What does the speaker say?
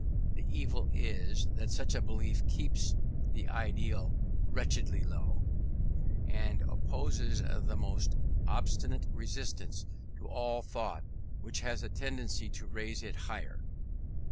The evil is, that such a belief keeps the ideal wretchedly low; and opposes the most obstinate resistance to all thought which has a tendency to raise it higher.